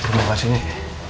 terima kasih nek